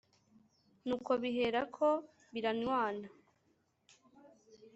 nuko biherako biranywana,